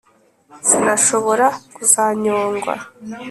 Sinashobora kuzanyongwa